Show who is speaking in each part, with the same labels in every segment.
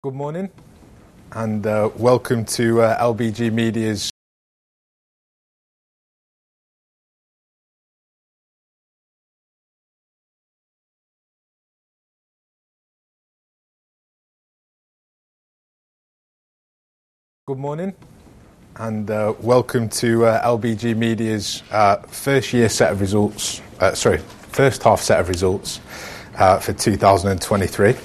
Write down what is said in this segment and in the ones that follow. Speaker 1: Good morning, and welcome to LBG Media's First Half Set of Results for 2023.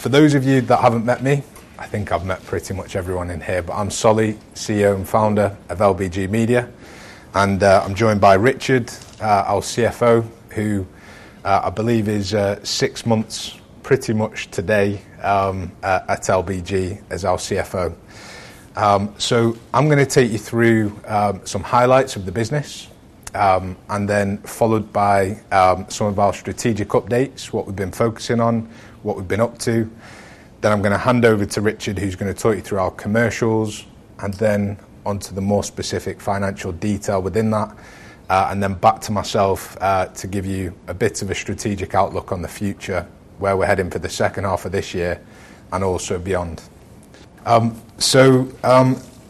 Speaker 1: For those of you that haven't met me, I think I've met pretty much everyone in here, but I'm Solly, CEO and Founder of LBG Media. I'm joined by Richard, our CFO, who I believe is six months pretty much today at LBG as our CFO. I'm going to take you through some highlights of the business, and then followed by some of our strategic updates, what we've been focusing on, what we've been up to. I'm going to hand over to Richard, who's going to talk you through our commercials, and then onto the more specific financial detail within that. Back to myself to give you a bit of a strategic outlook on the future, where we're heading for the second half of this year, and also beyond.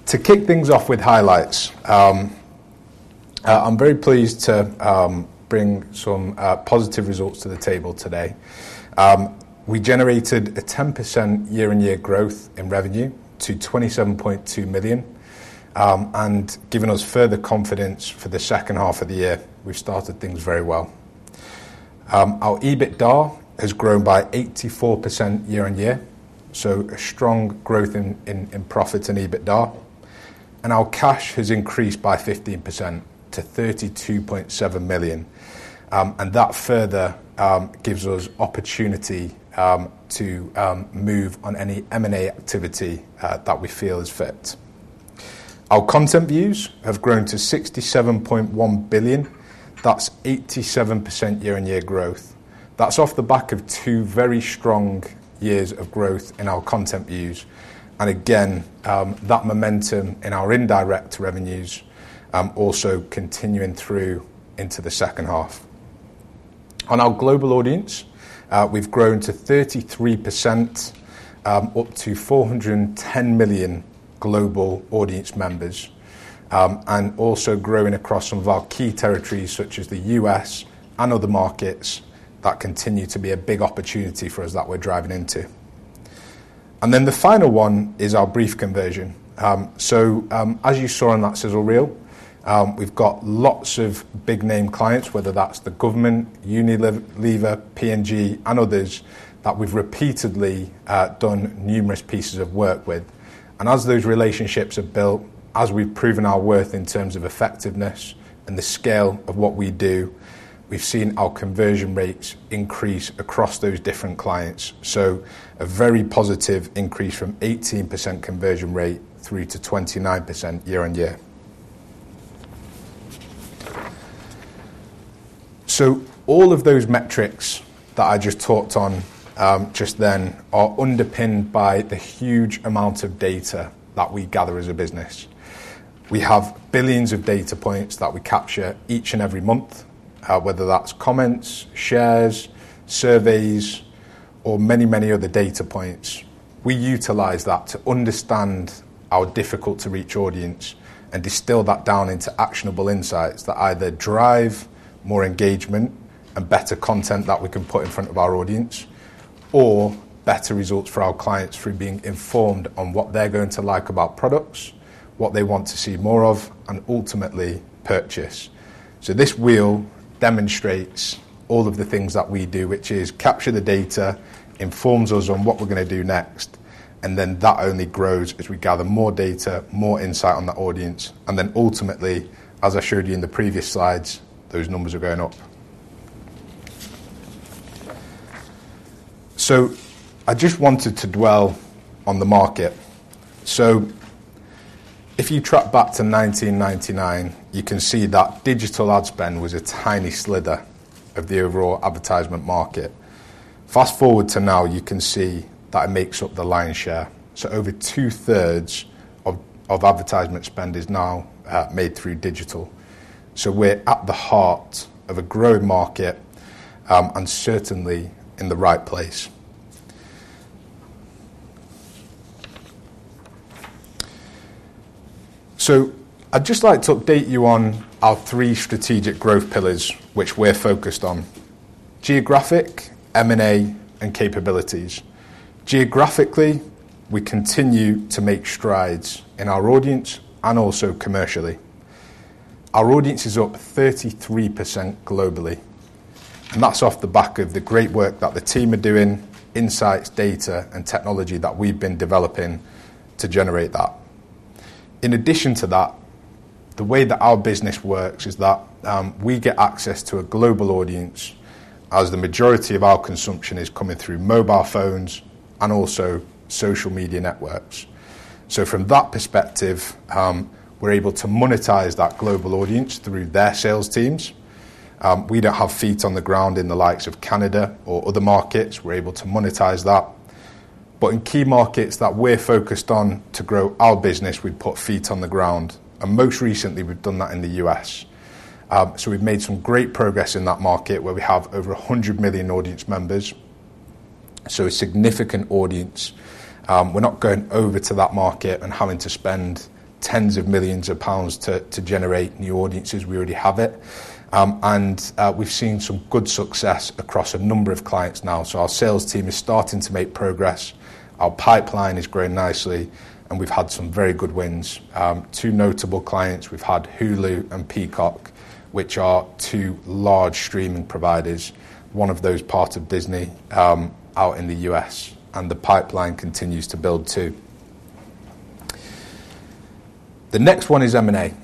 Speaker 1: To kick things off with highlights, I'm very pleased to bring some positive results to the table today. We generated a 10% year-on-year growth in revenue to 27.2 million, and given us further confidence for the second half of the year. We've started things very well. Our EBITDA has grown by 84% year-on-year, so a strong growth in profits in EBITDA. Our cash has increased by 15% to 32.7 million, and that further gives us opportunity to move on any M&A activity that we feel is fit. Our content views have grown to 67.1 billion. That's 87% year-on-year growth. That's off the back of two very strong years of growth in our content views. Again, that momentum in our indirect revenues also continuing through into the second half. On our global audience, we've grown to 33%, up to 410 million global audience members. Also growing across some of our key territories, such as the U.S. and other markets that continue to be a big opportunity for us that we're driving into. The final one is our brief conversion. As you saw on that sizzle reel, we've got lots of big name clients, whether that's the government, Unilever, P&G, and others, that we've repeatedly done numerous pieces of work with. As those relationships have built, as we've proven our worth in terms of effectiveness and the scale of what we do, we've seen our conversion rates increase across those different clients. A very positive increase from 18% conversion rate through to 29% year-on-year. All of those metrics that I just talked on just then are underpinned by the huge amount of data that we gather as a business. We have billions of data points that we capture each and every month, whether that's comments, shares, surveys, or many, many other data points. We utilize that to understand our difficult-to-reach audience and distill that down into actionable insights that either drive more engagement and better content that we can put in front of our audience, or better results for our clients through being informed on what they're going to like about products, what they want to see more of, and ultimately purchase. This wheel demonstrates all of the things that we do, which is capture the data, informs us on what we're going to do next, and then that only grows as we gather more data, more insight on the audience, and then ultimately, as I showed you in the previous slides, those numbers are going up. I just wanted to dwell on the market. If you track back to 1999, you can see that digital ad spend was a tiny slither of the overall advertisement market. Fast-forward to now, you can see that makes up the lion's share. Over 2/3 of advertisement spend is now made through digital. We're at the heart of a growing market, and certainly in the right place. I'd just like to update you on our three strategic growth pillars, which we're focused on, geographic, M&A, and capabilities. Geographically, we continue to make strides in our audience and also commercially. Our audience is up 33% globally. That's off the back of the great work that the team are doing, insights, data, and technology that we've been developing to generate that. In addition to that, the way that our business works is that we get access to a global audience as the majority of our consumption is coming through mobile phones and also social media networks. From that perspective, we're able to monetize that global audience through their sales teams. We don't have feet on the ground in the likes of Canada or other markets. In key markets that we're focused on to grow our business, we've put feet on the ground. Most recently, we've done that in the U.S. We've made some great progress in that market where we have over 100 million audience members, so a significant audience. We're not going over to that market and having to spend tens of millions of pounds to generate new audiences. We already have it. We've seen some good success across a number of clients now. Our sales team is starting to make progress. Our pipeline is growing nicely, and we've had some very good wins. Two notable clients, we've had Hulu and Peacock, which are two large streaming providers, one of those part of Disney, out in the U.S., and the pipeline continues to build, too. The next one is M&A.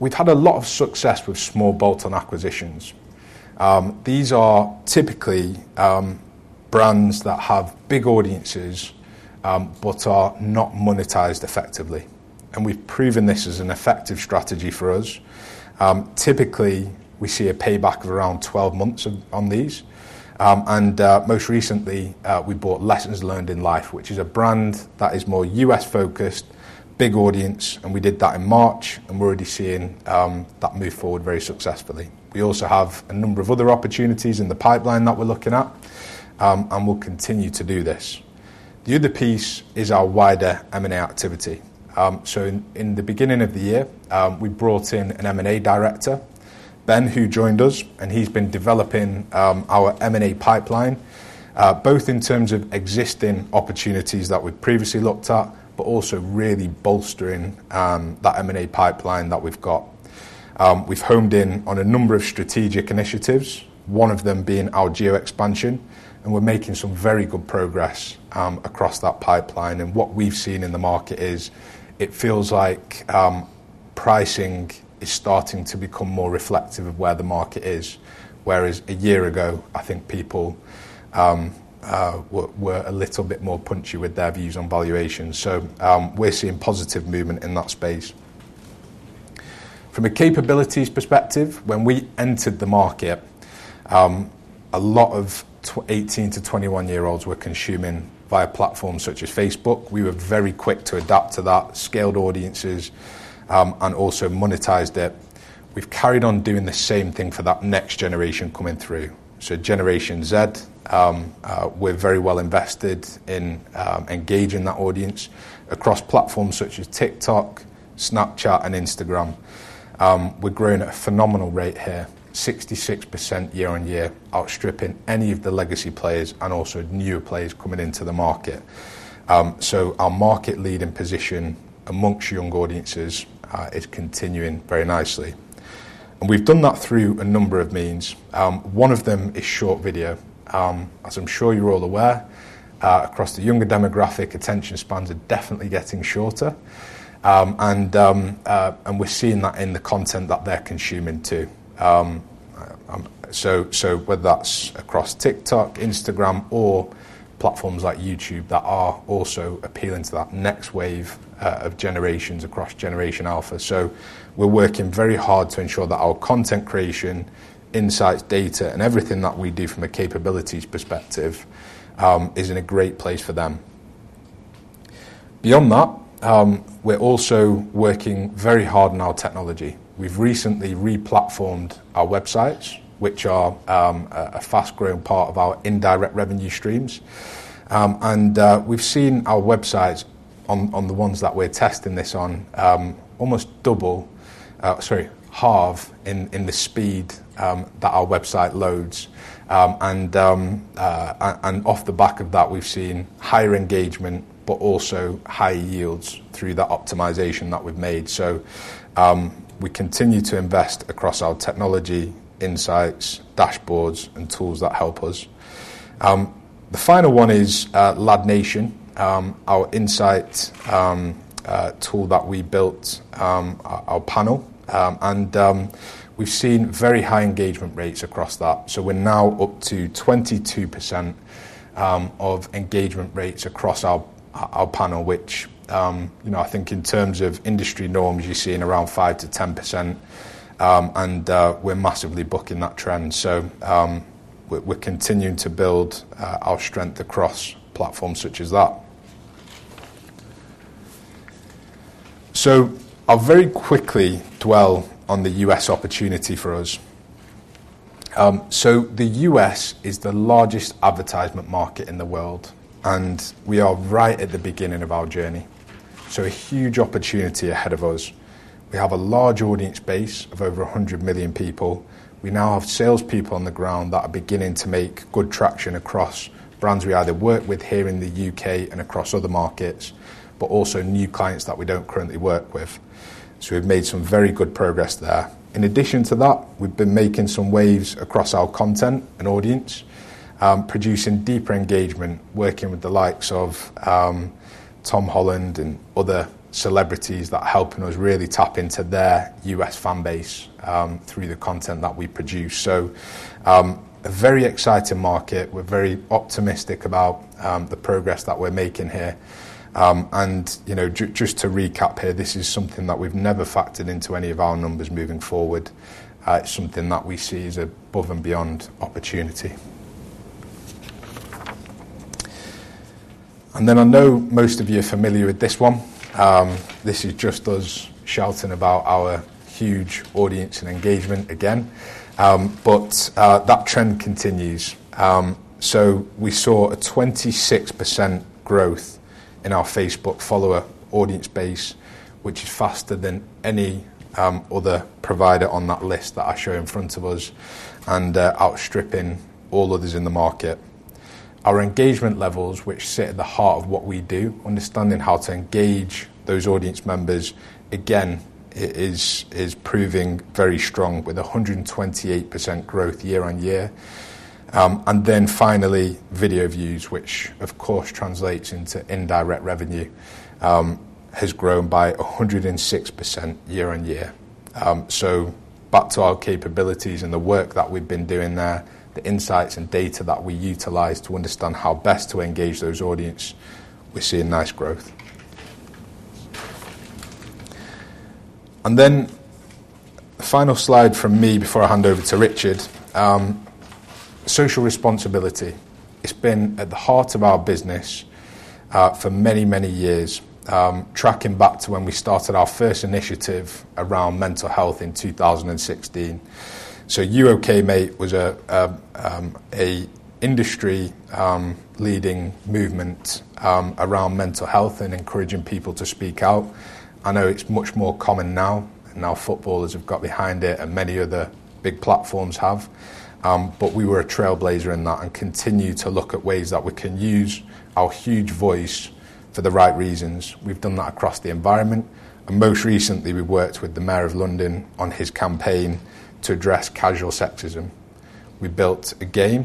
Speaker 1: We've had a lot of success with small bolt-on acquisitions. These are typically brands that have big audiences, but are not monetized effectively. We've proven this as an effective strategy for us. Typically, we see a payback of around 12 months on these. Most recently, we bought Lessons Learned in Life, which is a brand that is more U.S.-focused, big audience, and we did that in March, and we're already seeing that move forward very successfully. We also have a number of other opportunities in the pipeline that we're looking at, and we'll continue to do this. The other piece is our wider M&A activity. In the beginning of the year, we brought in an M&A director, Ben, who joined us, and he's been developing our M&A pipeline, both in terms of existing opportunities that we'd previously looked at, but also really bolstering that M&A pipeline that we've got. We've homed in on a number of strategic initiatives, one of them being our geo expansion, and we're making some very good progress across that pipeline. What we've seen in the market is it feels like pricing is starting to become more reflective of where the market is. Whereas a year ago, I think people were a little bit more punchy with their views on valuations. We're seeing positive movement in that space. From a capabilities perspective, when we entered the market, a lot of 18- to 21-year-olds were consuming via platforms such as Facebook. We were very quick to adapt to that, scaled audiences, and also monetized it. We've carried on doing the same thing for that next generation coming through. Generation Z, we're very well invested in engaging that audience across platforms such as TikTok, Snapchat, and Instagram. We're growing at a phenomenal rate here, 66% year-on-year, outstripping any of the legacy players and also newer players coming into the market. Our market-leading position amongst young audiences is continuing very nicely. We've done that through a number of means. One of them is short-form video. As I'm sure you're all aware, across the younger demographic, attention spans are definitely getting shorter, and we're seeing that in the content that they're consuming, too. Whether that's across TikTok, Instagram or platforms like YouTube that are also appealing to that next wave of generations across Generation Alpha. We're working very hard to ensure that our content creation, insights, data, and everything that we do from a capabilities perspective is in a great place for them. Beyond that, we're also working very hard on our technology. We've recently re-platformed our websites, which are a fast-growing part of our indirect revenue streams. We've seen our websites, on the ones that we're testing this on, almost double, sorry, halve in the speed that our website loads. Off the back of that, we've seen higher engagement, but also higher yields through that optimization that we've made. We continue to invest across our technology, insights, dashboards and tools that help us. The final one is LADnation, our insights tool that we built, our panel, we've seen very high engagement rates across that. We're now up to 22% of engagement rates across our panel, which I think in terms of industry norms, you're seeing around 5%-10%, and we're massively bucking that trend. We're continuing to build our strength across platforms such as that. I'll very quickly dwell on the U.S. opportunity for us. The U.S. is the largest advertisement market in the world, and we are right at the beginning of our journey. A huge opportunity ahead of us. We have a large audience base of over 100 million people. We now have salespeople on the ground that are beginning to make good traction across brands we either work with here in the U.K. and across other markets, but also new clients that we don't currently work with. We've made some very good progress there. In addition to that, we've been making some waves across our content and audience, producing deeper engagement, working with the likes of Tom Holland and other celebrities that are helping us really tap into their U.S. fan base through the content that we produce. A very exciting market. We're very optimistic about the progress that we're making here. Just to recap here, this is something that we've never factored into any of our numbers moving forward. It's something that we see as above and beyond opportunity. I know most of you are familiar with this one. This is just us shouting about our huge audience and engagement again. That trend continues. We saw a 26% growth in our Facebook follower audience base, which is faster than any other provider on that list that I show in front of us, and outstripping all others in the market. Our engagement levels, which sit at the heart of what we do, understanding how to engage those audience members, again, is proving very strong with 128% growth year-on-year. Finally, video views, which of course translates into indirect revenue, has grown by 106% year-on-year. Back to our capabilities and the work that we've been doing there, the insights and data that we utilize to understand how best to engage those audience, we're seeing nice growth. Final slide from me before I hand over to Richard. Social responsibility. It's been at the heart of our business for many, many years, tracking back to when we started our first initiative around mental health in 2016. UOKM8? was an industry-leading movement around mental health and encouraging people to speak out. I know it's much more common now, and our footballers have got behind it and many other big platforms have. We were a trailblazer in that and continue to look at ways that we can use our huge voice for the right reasons. We've done that across the environment, and most recently, we worked with the Mayor of London on his campaign to address casual sexism. We built a game,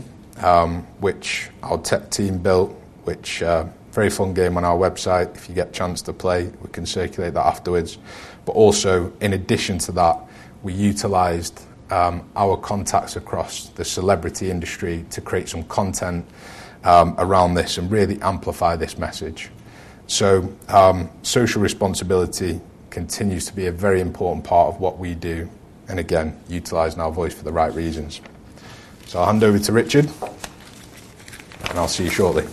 Speaker 1: which our tech team built, which very fun game on our website. If you get a chance to play, we can circulate that afterwards. Also, in addition to that, we utilized our contacts across the celebrity industry to create some content around this and really amplify this message. Social responsibility continues to be a very important part of what we do, and again, utilizing our voice for the right reasons. I'll hand over to Richard, and I'll see you shortly.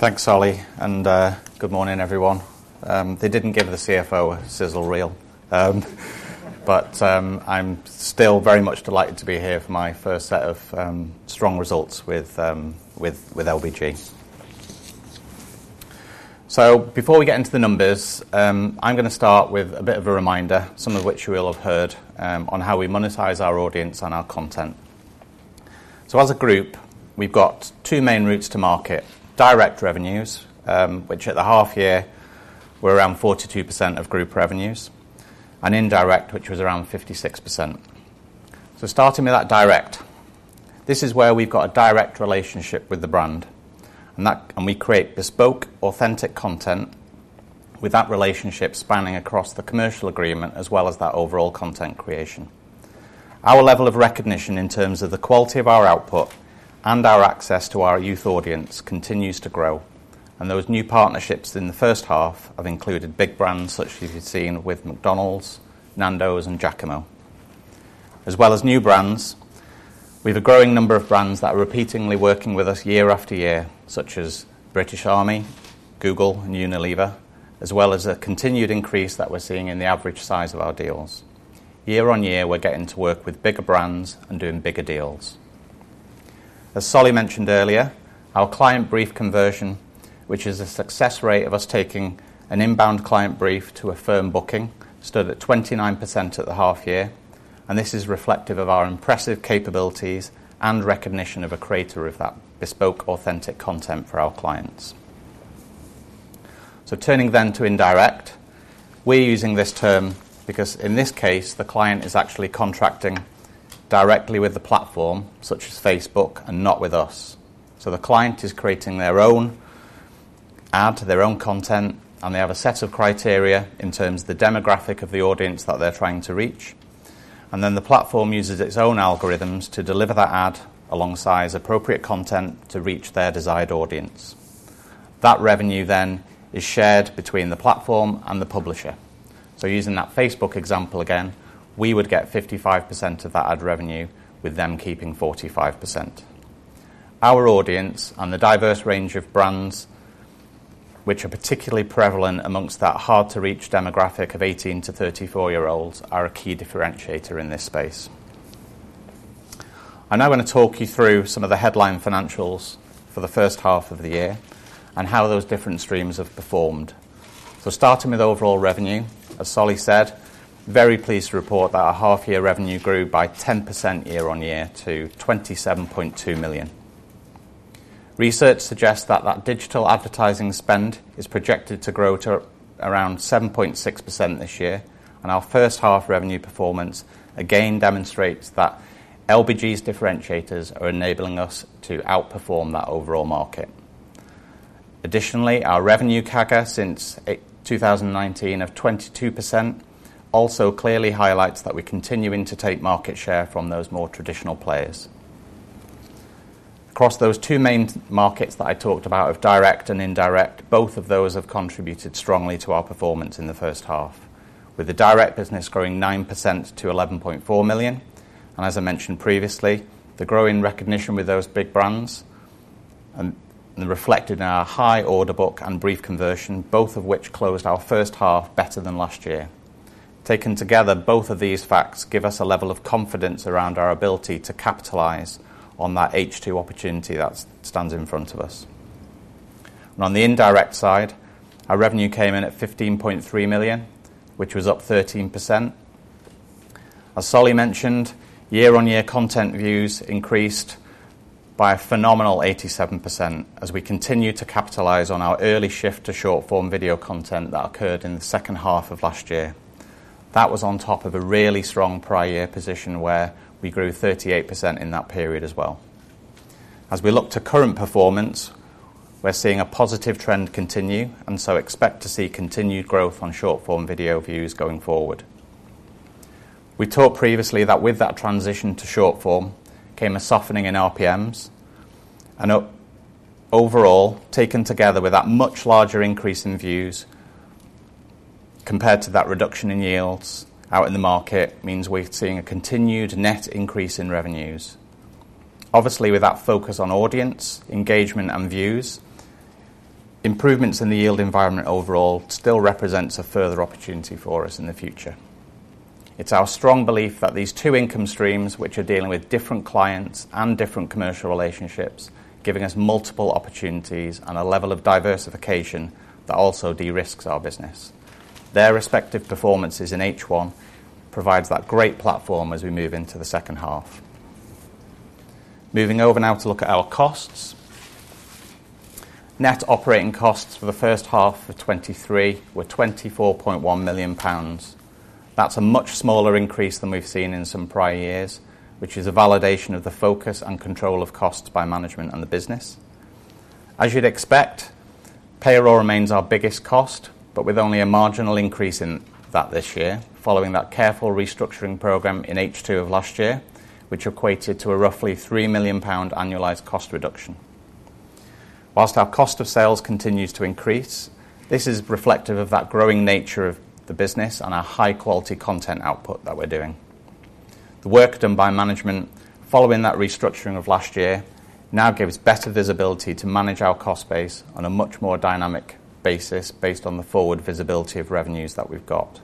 Speaker 2: Thanks, Solly, good morning, everyone. They didn't give the CFO a sizzle reel. I'm still very much delighted to be here for my first set of strong results with LBG. Before we get into the numbers, I'm going to start with a bit of a reminder, some of which you will have heard, on how we monetize our audience and our content. As a group, we've got two main routes to market, direct revenues, which at the half year, were around 42% of group revenues, and indirect, which was around 56%. Starting with that direct, this is where we've got a direct relationship with the brand, and we create bespoke, authentic content with that relationship spanning across the commercial agreement as well as that overall content creation. Our level of recognition in terms of the quality of our output and our access to our youth audience continues to grow, and those new partnerships in the first half have included big brands such as you've seen with McDonald's, Nando's, and Jacamo. As well as new brands, we have a growing number of brands that are repeatedly working with us year after year, such as British Army, Google, and Unilever, as well as a continued increase that we're seeing in the average size of our deals. Year on year, we're getting to work with bigger brands and doing bigger deals. As Solly mentioned earlier, our client brief conversion, which is a success rate of us taking an inbound client brief to a firm booking, stood at 29% at the half year. This is reflective of our impressive capabilities and recognition of a creator of that bespoke, authentic content for our clients. Turning then to indirect, we're using this term because in this case, the client is actually contracting directly with the platform, such as Facebook, and not with us. The client is creating their own ad to their own content, and they have a set of criteria in terms of the demographic of the audience that they're trying to reach. The platform uses its own algorithms to deliver that ad alongside appropriate content to reach their desired audience. That revenue then is shared between the platform and the publisher. Using that Facebook example again, we would get 55% of that ad revenue, with them keeping 45%. Our audience and the diverse range of brands which are particularly prevalent amongst that hard-to-reach demographic of 18- to 34-year-olds are a key differentiator in this space. I now want to talk you through some of the headline financials for the first half of the year and how those different streams have performed. Starting with overall revenue, as Solly said, very pleased to report that our half-year revenue grew by 10% year-on-year to 27.2 million. Research suggests that that digital advertising spend is projected to grow to around 7.6% this year, and our first half revenue performance again demonstrates that LBG's differentiators are enabling us to outperform that overall market. Additionally, our revenue CAGR since 2019 of 22% also clearly highlights that we're continuing to take market share from those more traditional players. Across those two main markets that I talked about of direct and indirect, both of those have contributed strongly to our performance in the first half, with the direct business growing 9% to 11.4 million. As I mentioned previously, the growing recognition with those big brands, and reflected in our high order book and brief conversion, both of which closed our first half better than last year. Taken together, both of these facts give us a level of confidence around our ability to capitalize on that H2 opportunity that stands in front of us. On the indirect side, our revenue came in at 15.3 million, which was up 13%. As Solly mentioned, year-on-year content views increased by a phenomenal 87% as we continue to capitalize on our early shift to short-form video content that occurred in the second half of last year. That was on top of a really strong prior year position where we grew 38% in that period as well. As we look to current performance, we're seeing a positive trend continue, and so expect to see continued growth on short-form video views going forward. We talked previously that with that transition to short-form came a softening in RPMs, and overall, taken together with that much larger increase in views compared to that reduction in yields out in the market, means we're seeing a continued net increase in revenues. Obviously, with that focus on audience, engagement, and views, improvements in the yield environment overall still represents a further opportunity for us in the future. It's our strong belief that these two income streams, which are dealing with different clients and different commercial relationships, giving us multiple opportunities and a level of diversification that also de-risks our business. Their respective performances in H1 provides that great platform as we move into the second half. Moving over now to look at our costs. Net operating costs for the first half of 2023 were 24.1 million pounds. That's a much smaller increase than we've seen in some prior years, which is a validation of the focus and control of costs by management and the business. As you'd expect, payroll remains our biggest cost, but with only a marginal increase in that this year following that careful restructuring program in H2 of last year, which equated to a roughly 3 million pound annualized cost reduction. Whilst our cost of sales continues to increase, this is reflective of that growing nature of the business and our high-quality content output that we're doing. The work done by management following that restructuring of last year now gives better visibility to manage our cost base on a much more dynamic basis based on the forward visibility of revenues that we've got.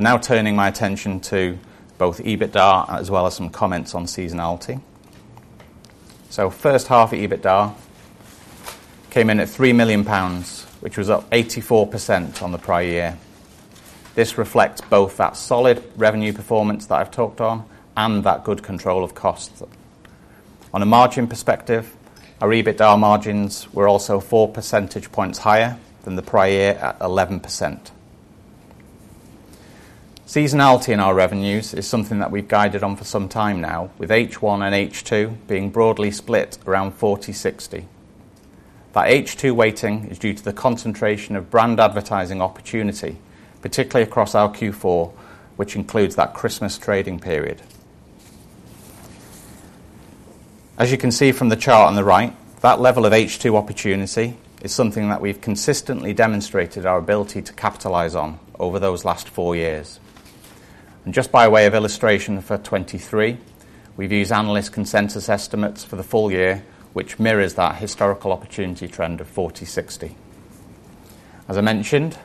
Speaker 2: Now turning my attention to both EBITDA as well as some comments on seasonality. First half EBITDA came in at 3 million pounds, which was up 84% on the prior year. This reflects both that solid revenue performance that I've talked on and that good control of costs. On a margin perspective, our EBITDA margins were also four percentage points higher than the prior year at 11%. Seasonality in our revenues is something that we've guided on for some time now, with H1 and H2 being broadly split around 40-60. That H2 weighting is due to the concentration of brand advertising opportunity, particularly across our Q4, which includes that Christmas trading period. As you can see from the chart on the right, that level of H2 opportunity is something that we've consistently demonstrated our ability to capitalize on over those last four years. Just by way of illustration for 2023, we've used analyst consensus estimates for the full year, which mirrors that historical opportunity trend of 40-60. As I mentioned,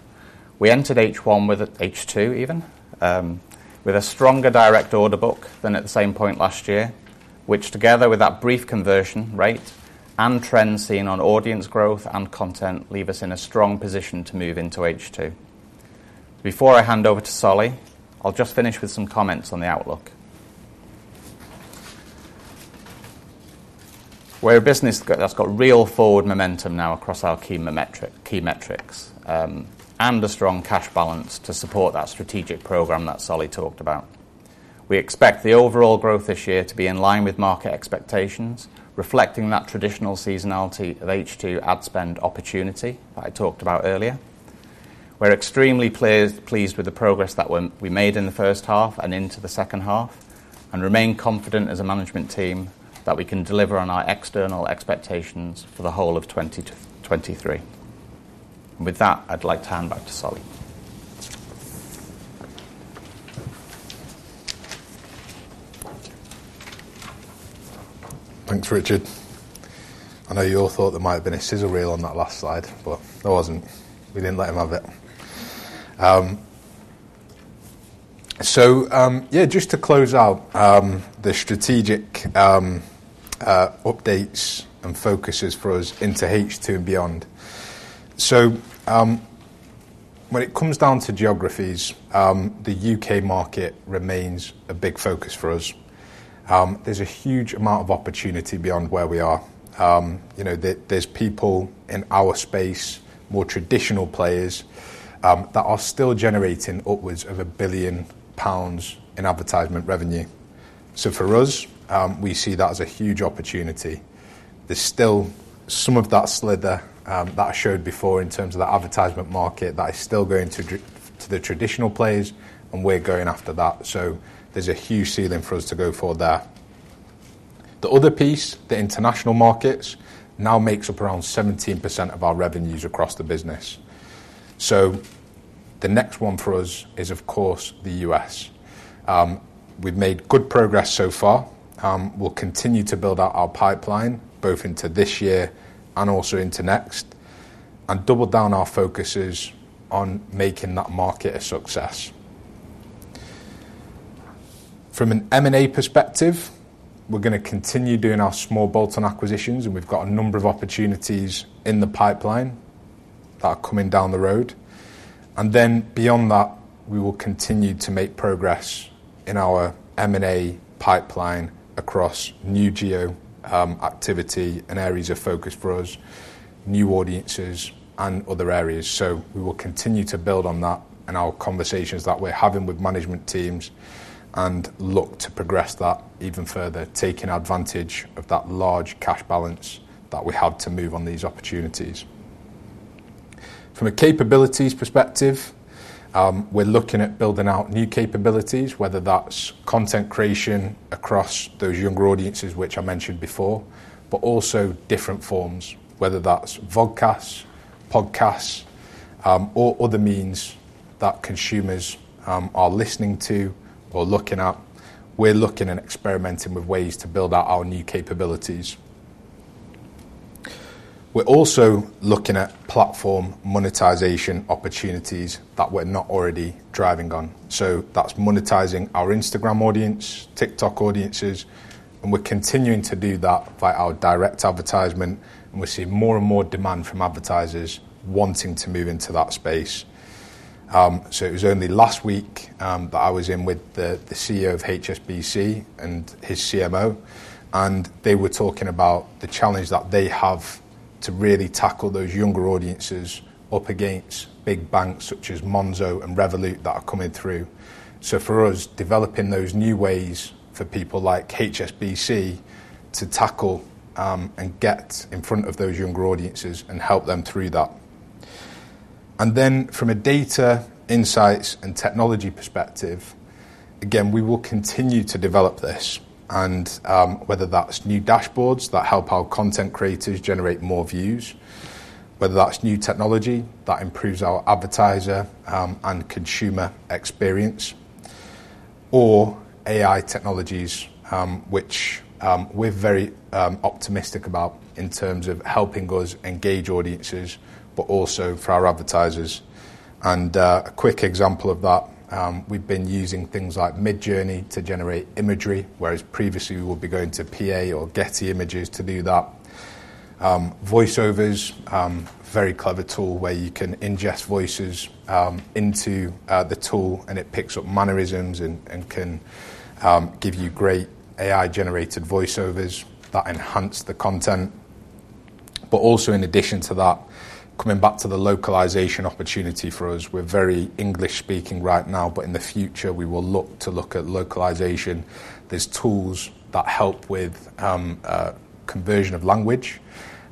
Speaker 2: we entered H1 with H2 even, with a stronger direct order book than at the same point last year, which together with that brief conversion rate and trends seen on audience growth and content leave us in a strong position to move into H2. Before I hand over to Solly, I'll just finish with some comments on the outlook. We're a business that's got real forward momentum now across our key metrics, and a strong cash balance to support that strategic program that Solly talked about. We expect the overall growth this year to be in line with market expectations, reflecting that traditional seasonality of H2 ad spend opportunity that I talked about earlier. We're extremely pleased with the progress that we made in the first half and into the second half, and remain confident as a management team that we can deliver on our external expectations for the whole of 2023. With that, I'd like to hand back to Solly.
Speaker 1: Thanks, Richard. I know you all thought there might have been a sizzle reel on that last slide, but there wasn't. We didn't let him have it. Yeah, just to close out, the strategic updates and focuses for us into H2 and beyond. When it comes down to geographies, the U.K. market remains a big focus for us. There's a huge amount of opportunity beyond where we are. There's people in our space, more traditional players, that are still generating upwards of 1 billion pounds in advertisement revenue. For us, we see that as a huge opportunity. There's still some of that sliver that I showed before in terms of the advertisement market that is still going to the traditional players, and we're going after that. There's a huge ceiling for us to go for there. The other piece, the international markets, now makes up around 17% of our revenues across the business. The next one for us is, of course, the U.S. We've made good progress so far. We'll continue to build out our pipeline both into this year and also into next, and double down our focuses on making that market a success. From an M&A perspective, we're going to continue doing our small bolt-on acquisitions, and we've got a number of opportunities in the pipeline that are coming down the road. Beyond that, we will continue to make progress in our M&A pipeline across new geo activity and areas of focus for us, new audiences and other areas. We will continue to build on that in our conversations that we're having with management teams and look to progress that even further, taking advantage of that large cash balance that we have to move on these opportunities. From a capabilities perspective, we're looking at building out new capabilities, whether that's content creation across those younger audiences, which I mentioned before, but also different forms, whether that's vodcasts, podcasts, or other means that consumers are listening to or looking at. We're looking and experimenting with ways to build out our new capabilities. We're also looking at platform monetization opportunities that we're not already driving on. That's monetizing our Instagram audience, TikTok audiences, and we're continuing to do that via our direct advertisement, and we're seeing more and more demand from advertisers wanting to move into that space. It was only last week that I was in with the CEO of HSBC and his CMO, and they were talking about the challenge that they have to really tackle those younger audiences up against big banks such as Monzo and Revolut that are coming through. For us, developing those new ways for people like HSBC to tackle and get in front of those younger audiences and help them through that. From a data, insights, and technology perspective, again, we will continue to develop this, and whether that's new dashboards that help our content creators generate more views, whether that's new technology that improves our advertiser and consumer experience, or AI technologies which we're very optimistic about in terms of helping us engage audiences, but also for our advertisers. A quick example of that, we've been using things like Midjourney to generate imagery, whereas previously, we'd be going to PA or Getty Images to do that. Voiceovers, very clever tool where you can ingest voices into the tool, and it picks up mannerisms and can give you great AI-generated voiceovers that enhance the content. Also in addition to that, coming back to the localization opportunity for us, we're very English-speaking right now, but in the future, we will look at localization. There's tools that help with conversion of language,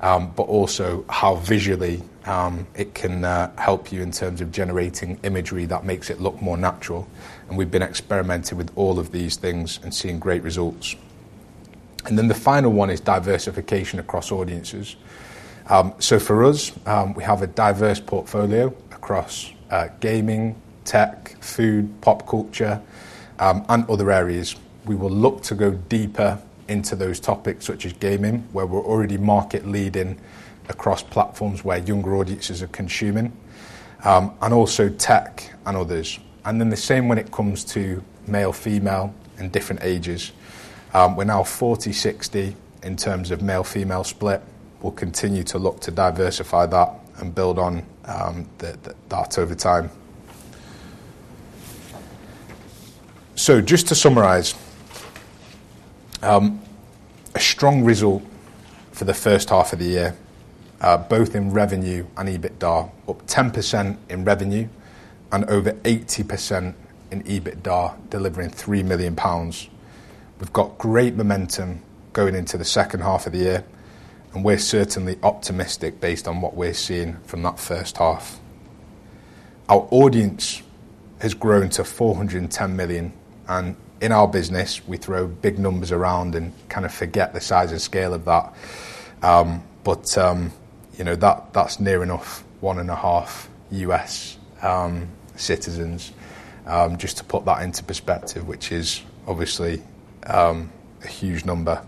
Speaker 1: but also how visually it can help you in terms of generating imagery that makes it look more natural, and we've been experimenting with all of these things and seeing great results. The final one is diversification across audiences. For us, we have a diverse portfolio across gaming, tech, food, pop culture, and other areas. We will look to go deeper into those topics, such as gaming, where we are already market leading across platforms where younger audiences are consuming, and also tech and others. The same when it comes to male, female, and different ages. We are now 40/60 in terms of male/female split. We will continue to look to diversify that and build on that over time. Just to summarize, a strong result for the first half of the year, both in revenue and EBITDA, up 10% in revenue and over 80% in EBITDA, delivering 3 million pounds. We have got great momentum going into the second half of the year, and we are certainly optimistic based on what we are seeing from that first half. Our audience has grown to 410 million, and in our business, we throw big numbers around and kind of forget the size and scale of that, but that's near enough one and a half U.S. citizens, just to put that into perspective, which is obviously a huge number.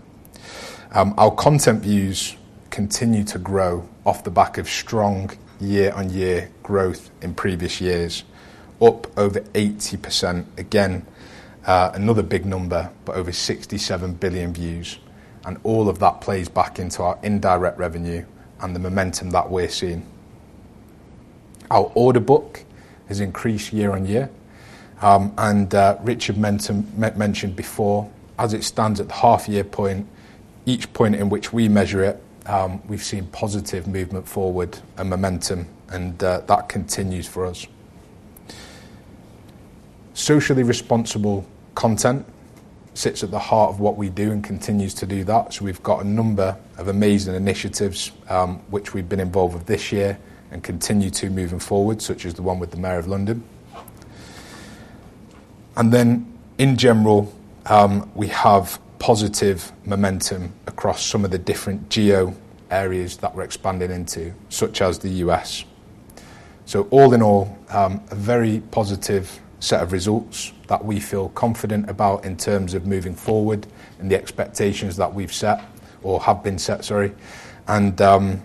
Speaker 1: Our content views continue to grow off the back of strong year-on-year growth in previous years, up over 80%, again, another big number, but over 67 billion views. All of that plays back into our indirect revenue and the momentum that we're seeing. Our order book has increased year-on-year, and Richard mentioned before, as it stands at the half year point, each point in which we measure it, we've seen positive movement forward and momentum, and that continues for us. Socially responsible content sits at the heart of what we do and continues to do that. We've got a number of amazing initiatives which we've been involved with this year and continue to moving forward, such as the one with the Mayor of London. In general, we have positive momentum across some of the different geo areas that we're expanding into, such as the U.S. All in all, a very positive set of results that we feel confident about in terms of moving forward and the expectations that we've set or have been set, sorry. Thank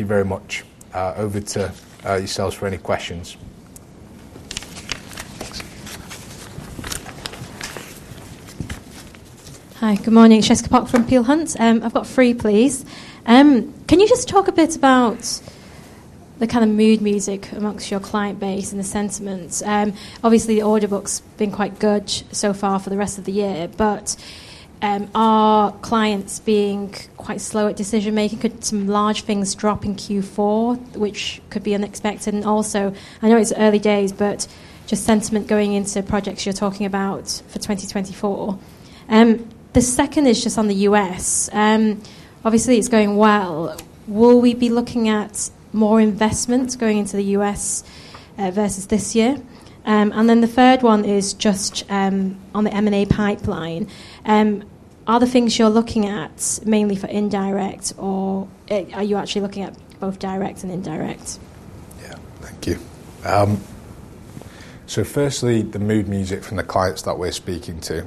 Speaker 1: you very much. Over to yourselves for any questions.
Speaker 3: Hi. Good morning. Jessica Pok from Peel Hunt. I've got three, please. Can you just talk a bit about the kind of mood music amongst your client base and the sentiments? Obviously, the order book's been quite good so far for the rest of the year. Are clients being quite slow at decision-making for some large things to drop in Q4, which could be unexpected? I know it's early days, just sentiment going into the projects you're talking about for 2024? The second is just on the U.S. Obviously, it's going well. Will we be looking at more investments going into the U.S. versus this year? The third one is just on the M&A pipeline. Are the things you're looking at mainly for indirect, or are you actually looking at both direct and indirect?
Speaker 1: Thank you. Firstly, the mood music from the clients that we're speaking to.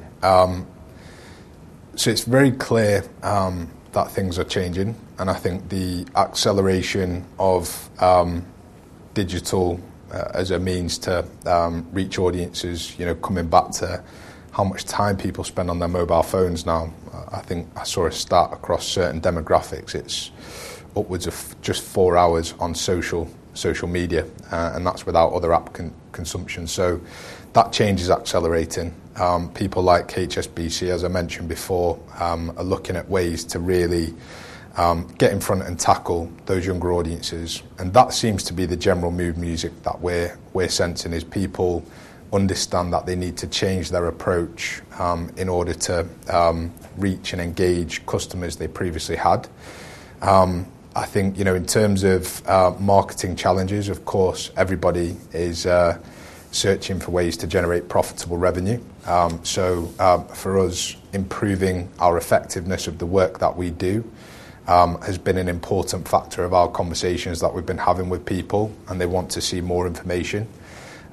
Speaker 1: It's very clear that things are changing, and I think the acceleration of digital as a means to reach audiences, coming back to how much time people spend on their mobile phones now. I think I saw a stat across certain demographics. It's upwards of just four hours on social media, and that's without other app consumption. That change is accelerating. People like HSBC, as I mentioned before, are looking at ways to really get in front and tackle those younger audiences, and that seems to be the general mood music that we're sensing, is people understand that they need to change their approach in order to reach and engage customers they previously had. I think, in terms of marketing challenges, of course, everybody is searching for ways to generate profitable revenue. For us, improving our effectiveness of the work that we do has been an important factor of our conversations that we've been having with people, and they want to see more information.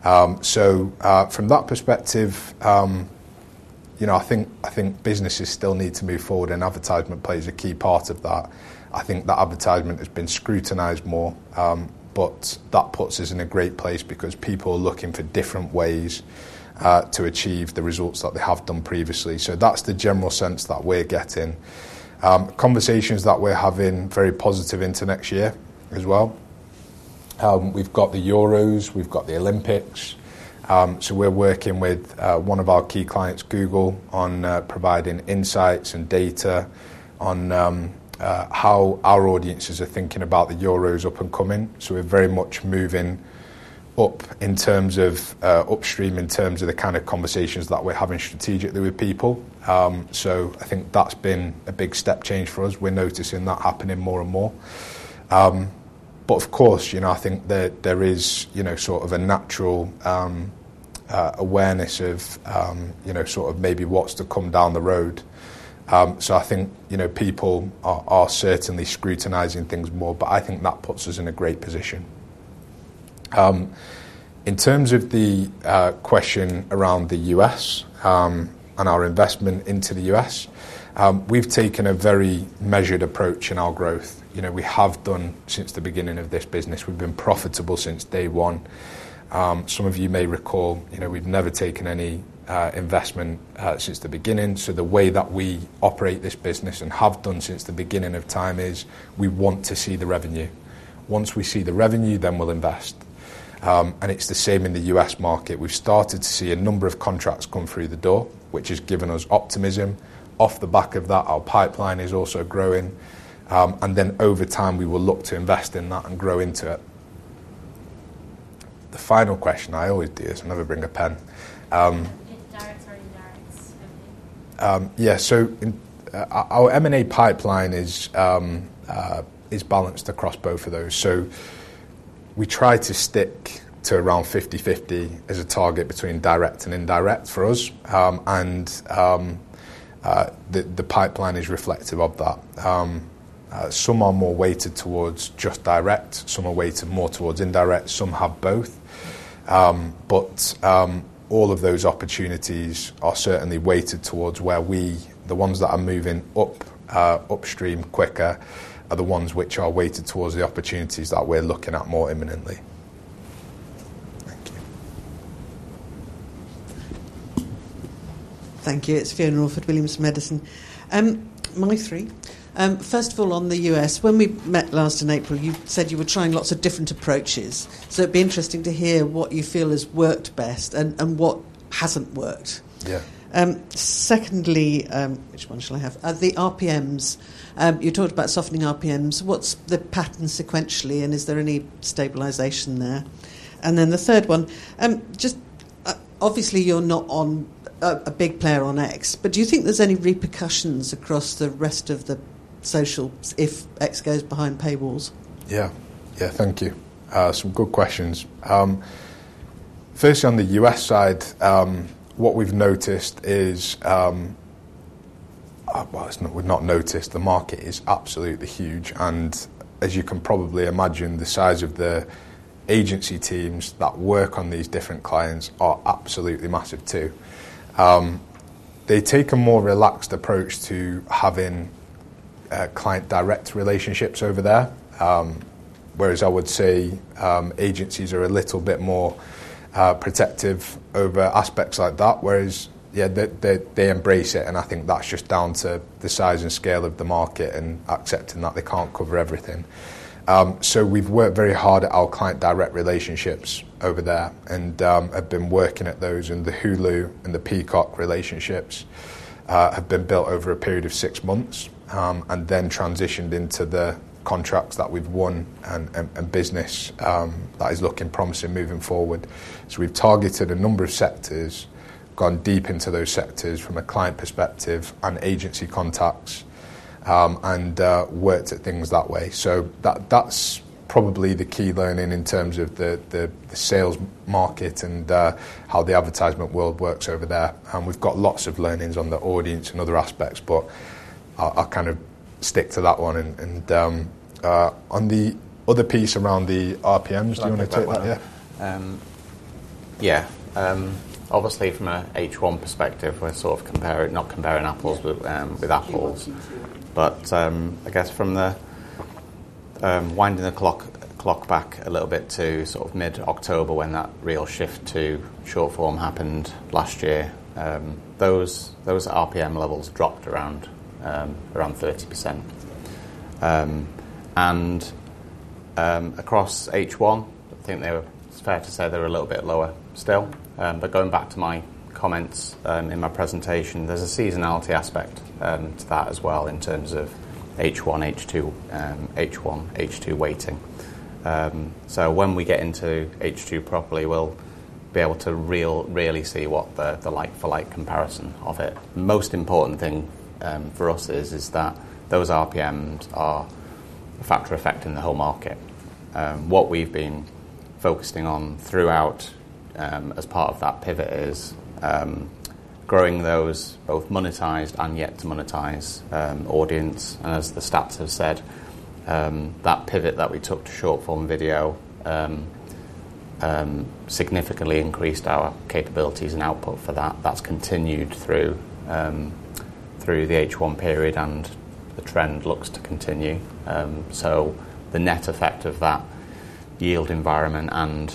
Speaker 1: From that perspective, I think businesses still need to move forward, and advertisement plays a key part of that. I think that advertisement has been scrutinized more, but that puts us in a great place because people are looking for different ways to achieve the results that they have done previously. That's the general sense that we're getting. Conversations that we're having, very positive into next year as well. We've got the Euros, we've got the Olympics. We're working with one of our key clients, Google, on providing insights and data on how our audiences are thinking about the Euros up and coming. We're very much moving up in terms of upstream, in terms of the kind of conversations that we're having strategically with people. I think that's been a big step change for us. We're noticing that happening more and more. Of course, I think there is sort of a natural awareness of maybe what's to come down the road. I think, people are certainly scrutinizing things more, but I think that puts us in a great position. In terms of the question around the U.S., and our investment into the U.S., we've taken a very measured approach in our growth. We have done since the beginning of this business. We've been profitable since day one. Some of you may recall, we've never taken any investment since the beginning, so the way that we operate this business and have done since the beginning of time is we want to see the revenue. Once we see the revenue, then we'll invest. It's the same in the U.S. market. We've started to see a number of contracts come through the door, which has given us optimism. Off the back of that, our pipeline is also growing. Over time, we will look to invest in that and grow into it. The final question, I always do this, I never bring a pen. Our M&A pipeline is balanced across both of those. We try to stick to around 50/50 as a target between direct and indirect for us. The pipeline is reflective of that. Some are more weighted towards just direct, some are weighted more towards indirect, some have both. All of those opportunities are certainly weighted towards the ones that are moving upstream quicker, which are weighted towards the opportunities that we're looking at more imminently.
Speaker 3: Thank you.
Speaker 4: Thank you. It's Fiona North at William Mason. Only three. First of all, on the U.S., when we met last in April, you said you were trying lots of different approaches. It'd be interesting to hear what you feel has worked best and what hasn't worked.
Speaker 1: Yeah.
Speaker 4: Secondly, which one shall I have? The RPMs. You talked about softening RPMs. What's the pattern sequentially, and is there any stabilization there? Then the third one, obviously you're not a big player on X, but do you think there's any repercussions across the rest of the social if X goes behind paywalls?
Speaker 1: Yeah. Thank you. Some good questions. Firstly, on the U.S. side, what we've noticed is, well, we've not noticed, the market is absolutely huge, and as you can probably imagine, the size of the agency teams that work on these different clients are absolutely massive too. They take a more relaxed approach to having client direct relationships over there. I would say agencies are a little bit more protective over aspects like that. Yeah, they embrace it, and I think that's just down to the size and scale of the market and accepting that they can't cover everything. We've worked very hard at our client direct relationships over there and have been working at those. The Hulu and the Peacock relationships have been built over a period of six months and then transitioned into the contracts that we've won, and business is looking promising moving forward. We've targeted a number of sectors, gone deep into those sectors from a client perspective and agency contacts, and worked at things that way. That's probably the key learning in terms of the sales market and how the advertisement world works over there. We've got lots of learnings on the audience and other aspects, but I'll kind of stick to that one. On the other piece around the RPMs, do you want to take that?
Speaker 2: Yeah. Obviously, from a H1 perspective, we're sort of not comparing apples with apples. I guess from the winding the clock back a little bit to sort of mid-October when that real shift to short-form happened last year, those RPM levels dropped around 30%. Across H1, I think it's fair to say they're a little bit lower still. Going back to my comments in my presentation, there's a seasonality aspect to that as well in terms of H1, H2 waiting. When we get into H2 properly, we'll be able to really see what the like-for-like comparison of it. The most important thing for us is that those RPMs are a factor affecting the whole market. What we've been focusing on throughout, as part of that pivot, is growing those both monetized and yet-to-monetize audience. As the stats have said, that pivot that we took to short-form video significantly increased our capabilities and output for that. That's continued through the H1 period, and the trend looks to continue. The net effect of that yield environment and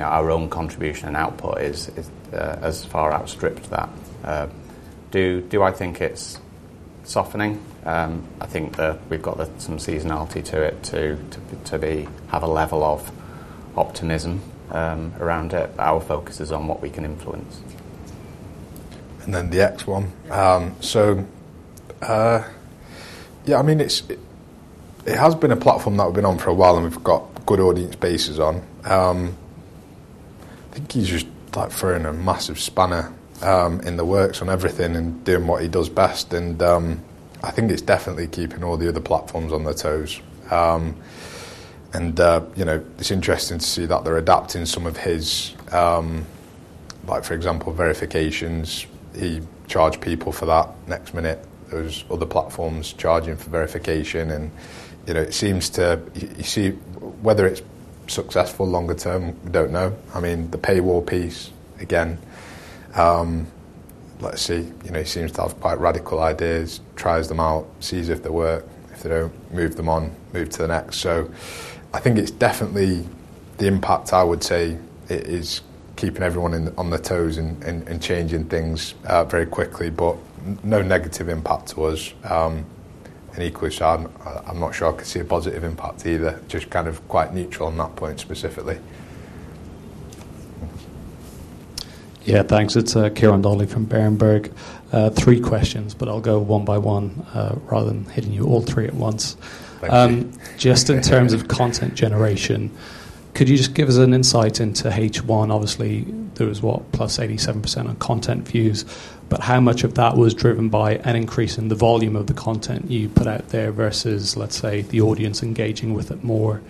Speaker 2: our own contribution and output is, as far outstrip to that. Do I think it's softening? I think that we've got some seasonality to it to have a level of optimism around it. Our focus is on what we can influence.
Speaker 1: The X one. Yeah, it has been a platform that we've been on for a while, and we've got good audience bases on. I think he's just throwing a massive spanner in the works on everything and doing what he does best, and I think it's definitely keeping all the other platforms on their toes. It's interesting to see that they're adapting some of his, for example, verifications. He charged people for that. Next minute, there's other platforms charging for verification. You see, whether it's successful longer term, we don't know. The paywall piece, again, let's see. He seems to have quite radical ideas, tries them out, sees if they work. If they don't, move them on, move to the next. I think it's definitely the impact, I would say, is keeping everyone on their toes and changing things very quickly, but no negative impact to us. Equally, I'm not sure I could see a positive impact either. Just kind of quite neutral on that point specifically.
Speaker 5: Yeah, thanks. It's Ciarán Donnelly from Berenberg. Three questions, but I'll go one by one rather than hitting you all three at once.
Speaker 1: Thank you.
Speaker 5: Just in terms of content generation, could you just give us an insight into H1? Obviously, there was what? +87% on content views, but how much of that was driven by an increase in the volume of the content you put out there versus, let's say, the audience engaging with it more?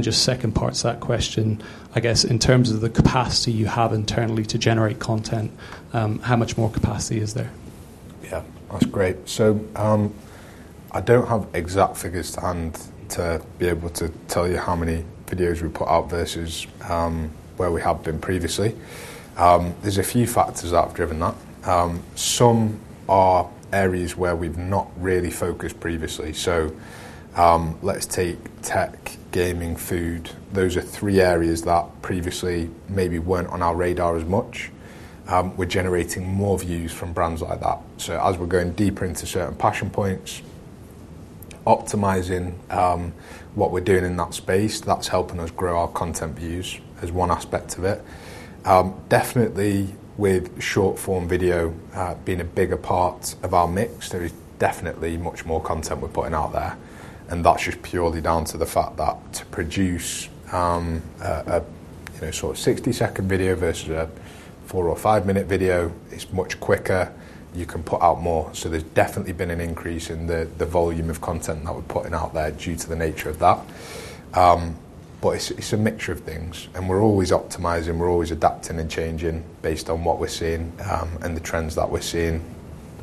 Speaker 5: Just second part to that question, I guess in terms of the capacity you have internally to generate content, how much more capacity is there?
Speaker 1: Yeah. That's great. I don't have exact figures to hand to be able to tell you how many videos we put out versus where we have been previously. There's a few factors that have driven that. Some are areas where we've not really focused previously. Let's take tech, gaming, food. Those are three areas that previously maybe weren't on our radar as much. We're generating more views from brands like that. As we're going deeper into certain passion points. Optimizing what we're doing in that space, that's helping us grow our content views as one aspect of it. Definitely with short-form video being a bigger part of our mix, there is definitely much more content we're putting out there, and that's just purely down to the fact that to produce a sort of 60-second video versus a four or five-minute video, it's much quicker. You can put out more. There's definitely been an increase in the volume of content that we're putting out there due to the nature of that. It's a mixture of things, and we're always optimizing, we're always adapting and changing based on what we're seeing and the trends that we're seeing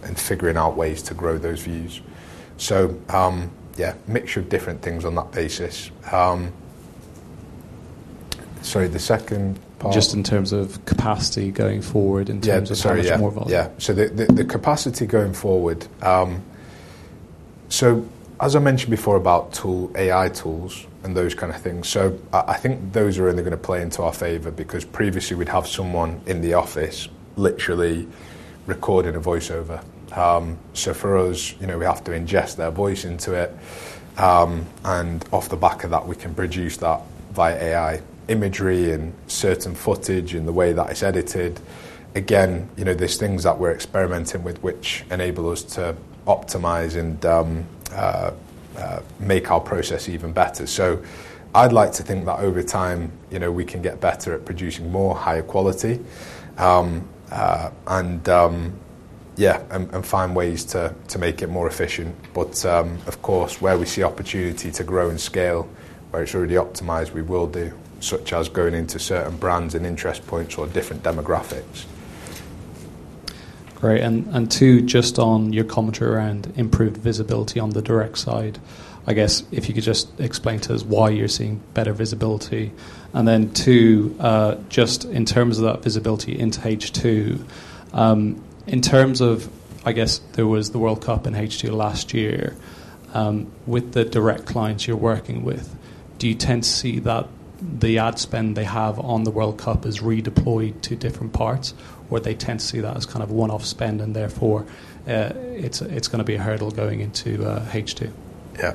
Speaker 1: and figuring out ways to grow those views. Yeah, mixture of different things on that basis. Sorry, the second part?
Speaker 5: Just in terms of capacity going forward.
Speaker 1: Yeah, sorry. Yeah
Speaker 5: Putting out more volume.
Speaker 1: Yeah. The capacity going forward. As I mentioned before about AI tools and those kind of things, so I think those are only going to play into our favor, because previously we'd have someone in the office literally recording a voiceover. For us, we have to ingest their voice into it, and off the back of that, we can produce that via AI imagery and certain footage in the way that it's edited. Again, there's things that we're experimenting with which enable us to optimize and make our process even better. I'd like to think that over time, we can get better at producing more higher quality, and find ways to make it more efficient. Of course, where we see opportunity to grow and scale, where it's already optimized, we will do, such as going into certain brands and interest points or different demographics.
Speaker 5: Great. Two, just on your commentary around improved visibility on the direct side, I guess if you could just explain to us why you're seeing better visibility. Two, just in terms of that visibility into H2, in terms of, I guess there was the World Cup in H2 last year, with the direct clients you're working with, do you tend to see that the ad spend they have on the World Cup is redeployed to different parts, or they tend to see that as kind of a one-off spend and therefore, it's going to be a hurdle going into H2?
Speaker 1: Yeah.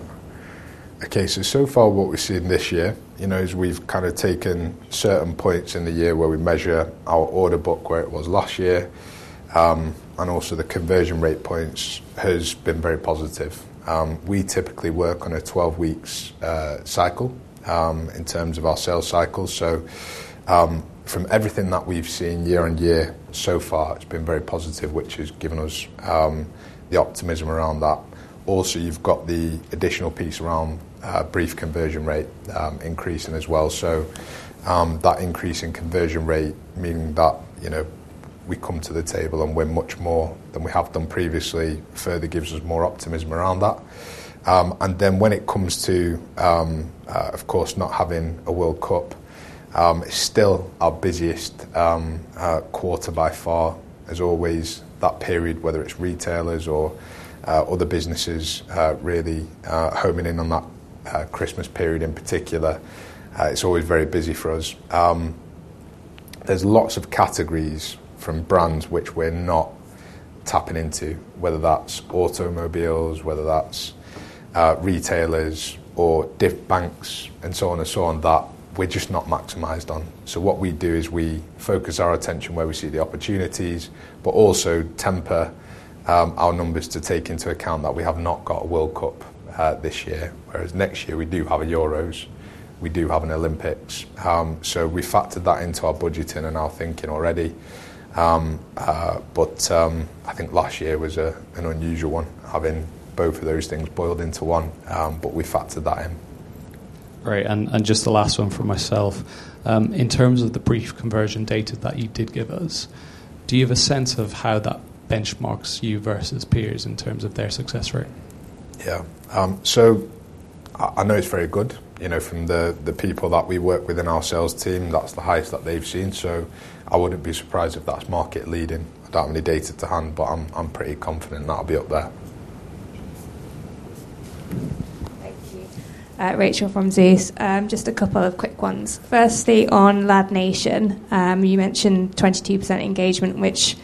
Speaker 1: Okay, so far what we've seen this year, is we've kind of taken certain points in the year where we measure our order book where it was last year, and also the conversion rate points has been very positive. We typically work on a 12-week cycle in terms of our sales cycle. From everything that we've seen year-on-year so far, it's been very positive, which has given us the optimism around that. Also, you've got the additional piece around brief conversion rate increasing as well. That increase in conversion rate, meaning that we come to the table and win much more than we have done previously, further gives us more optimism around that. When it comes to, of course, not having a World Cup, it's still our busiest quarter by far. As always, that period, whether it's retailers or other businesses, really homing in on that Christmas period in particular, it's always very busy for us. There's lots of categories from brands which we're not tapping into, whether that's automobiles, whether that's retailers or different banks and so on and so on, that we're just not maximized on. What we do is we focus our attention where we see the opportunities, but also temper our numbers to take into account that we have not got a World Cup this year. Whereas next year we do have a Euros, we do have an Olympics. We factored that into our budgeting and our thinking already. I think last year was an unusual one, having both of those things boiled into one, but we factored that in.
Speaker 5: Great. Just the last one from myself. In terms of the brief conversion data that you did give us, do you have a sense of how that benchmarks you versus peers in terms of their success rate?
Speaker 1: Yeah. I know it's very good. From the people that we work with in our sales team, that's the highest that they've seen, so I wouldn't be surprised if that's market leading. I don't have any data to hand, but I'm pretty confident that'll be up there.
Speaker 6: Thank you. Rachel from Zeus. Just a couple of quick ones. Firstly, on LADnation. You mentioned 22% engagement, which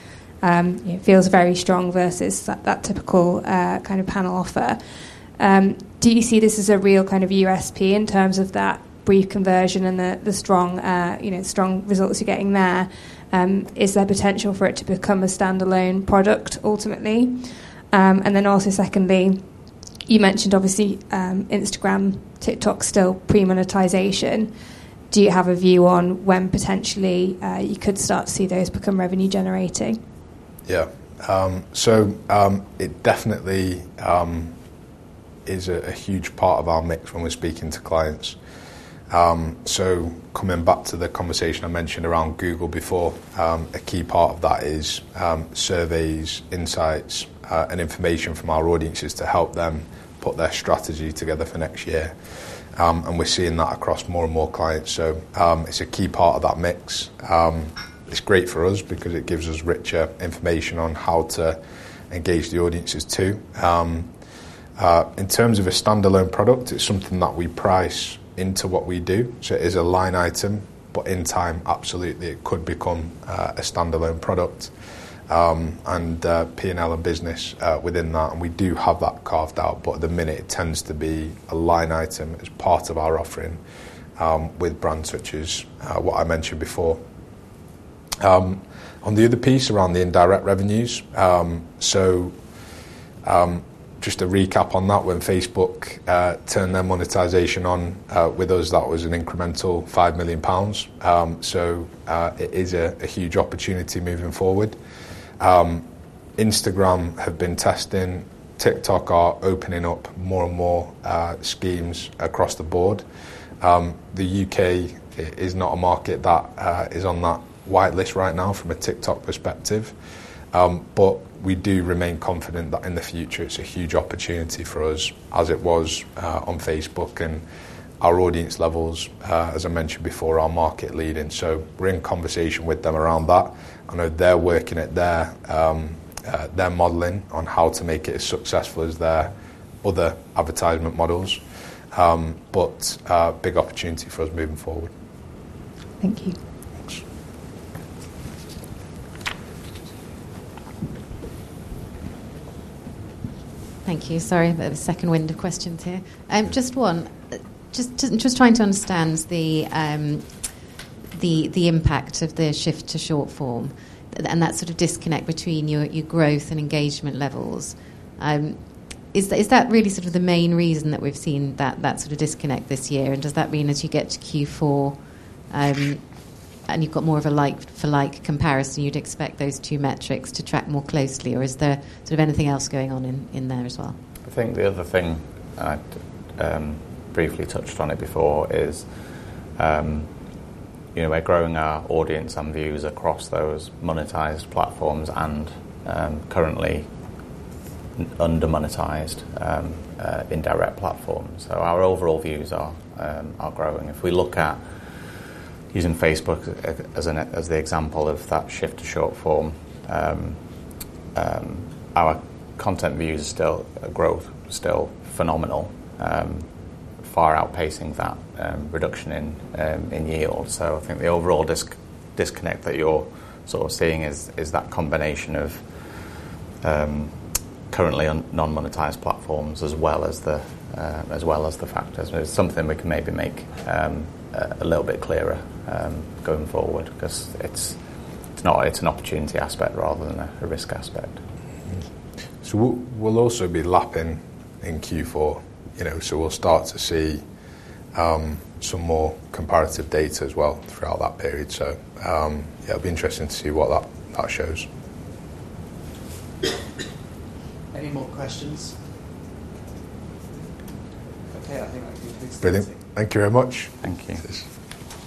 Speaker 6: feels very strong versus that typical kind of panel offer. Do you see this as a real kind of USP in terms of that brief conversion and the strong results you're getting there? Is there potential for it to become a standalone product ultimately? Also secondly, you mentioned obviously Instagram, TikTok still pre-monetization. Do you have a view on when potentially you could start to see those become revenue generating?
Speaker 1: It definitely is a huge part of our mix when we're speaking to clients. Coming back to the conversation I mentioned around Google before, a key part of that is surveys, insights, and information from our audiences to help them put their strategy together for next year. We're seeing that across more and more clients, so it's a key part of that mix. It's great for us because it gives us richer information on how to engage the audiences, too. In terms of a standalone product, it's something that we price into what we do, so it is a line item. In time, absolutely, it could become a standalone product, and P&L and business within that, and we do have that carved out, but at the minute, it tends to be a line item as part of our offering, with brands such as what I mentioned before. On the other piece, around the indirect revenues. Just a recap on that. When Facebook turned their monetization on with us, that was an incremental 5 million pounds. It is a huge opportunity moving forward. Instagram have been testing. TikTok are opening up more and more schemes across the board. The U.K. is not a market that is on that whitelist right now from a TikTok perspective. We do remain confident that in the future, it's a huge opportunity for us as it was on Facebook, and our audience levels, as I mentioned before, are market leading. We're in conversation with them around that. I know they're working at their modeling on how to make it as successful as their other advertisement models. A big opportunity for us moving forward.
Speaker 6: Thank you.
Speaker 1: Thanks.
Speaker 6: Thank you. Sorry, the second wind of questions here. Just one. Just trying to understand the impact of the shift to short form and that sort of disconnect between your growth and engagement levels. Is that really sort of the main reason that we've seen that sort of disconnect this year? Does that mean as you get to Q4, and you've got more of a like for like comparison, you'd expect those two metrics to track more closely, or is there sort of anything else going on in there as well?
Speaker 2: I think the other thing, I'd briefly touched on it before, is we're growing our audience and views across those monetized platforms and currently under-monetized indirect platforms. Our overall views are growing. If we look at using Facebook as the example of that shift to short form, our content views growth still phenomenal. Far outpacing that reduction in yield. I think the overall disconnect that you're sort of seeing is that combination of currently non-monetized platforms as well as the factors. It's something we can maybe make a little bit clearer going forward because it's an opportunity aspect rather than a risk aspect.
Speaker 1: We'll also be lapping in Q4. We'll start to see some more comparative data as well throughout that period. Yeah, it'll be interesting to see what that shows. Any more questions? Okay.
Speaker 2: Brilliant. Thank you very much.
Speaker 1: Thank you.